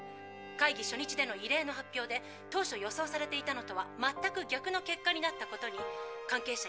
会議初日での異例の発表で当初予想されていたのとはまったく逆の結果になったことに関係者